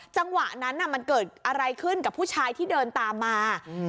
จังหวะนั้นมันเกิดอะไรขึ้นกับผู้ชายที่เดินตามมา